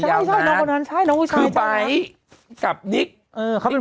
มันผ่านไปยาวนะเออใช่น้องคนนั้นใช่น้องผู้ชายใช่นะ